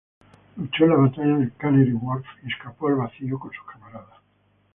Luchó en la batalla de Canary Wharf y escapó al Vacío con sus camaradas.